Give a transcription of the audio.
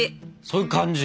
そういう感じ。